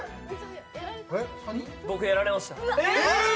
僕、やられました。